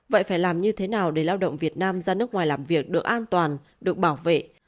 vậy phải làm như thế nào để lao động việt nam ra nước ngoài làm việc được an toàn được bảo vệ